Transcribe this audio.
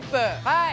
はい。